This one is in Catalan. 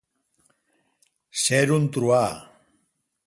Ser un truà.